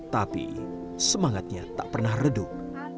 tapi semangatnya tak pernah redup